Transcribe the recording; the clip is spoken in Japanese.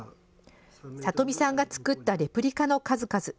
里見さんが作ったレプリカの数々。